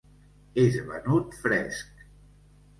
És venut fresc.